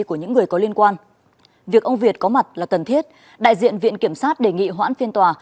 của những người có liên quan việc ông việt có mặt là cần thiết đại diện viện kiểm sát đề nghị hoãn phiên tòa